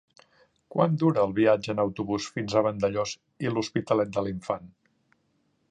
Quant dura el viatge en autobús fins a Vandellòs i l'Hospitalet de l'Infant?